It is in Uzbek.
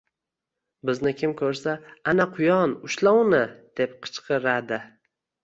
Bizni kim ko’rsa: «Ana quyon! Ushla uni!» — deb qichqiradi